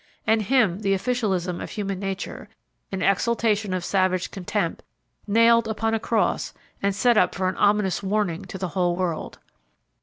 And Him the officialism of human nature, in exaltation of savage contempt, nailed upon a cross, and set up for an ominous warning to the whole world.